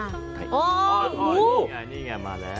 นี่ไงนี่ไงมาแล้ว